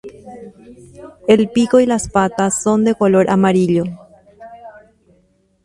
El pico y las patas son de color amarillo.